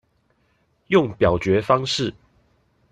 用表決方式